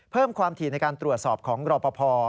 เพิ่มความถี่ในการตรวจสอบของรอปภ